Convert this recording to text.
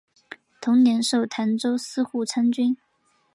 同年授澶州司户参军。